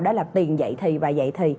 đó là tiền dậy thì và dậy thì